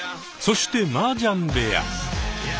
そしてマージャン部屋。